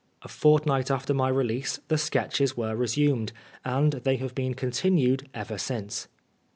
A fortnight after my release the Sketches were resumed, and they have been continued ever since.